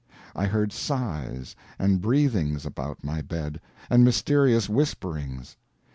I heard sighs and breathings about my bed, and mysterious whisperings.